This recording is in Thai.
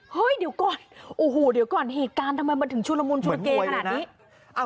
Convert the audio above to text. เฮ้ยเดี๋ยวก่อนโอ้โหเดี๋ยวก่อนเหตุการณ์ทำไมมันถึงชุลมุนชุลเกขนาดนี้